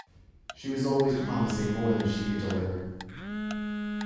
She was always promising more than she could deliver.